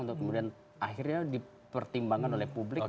untuk kemudian akhirnya dipertimbangkan oleh publik